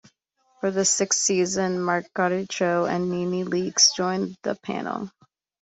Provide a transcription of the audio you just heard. For the sixth season, Margaret Cho and NeNe Leakes joined the panel.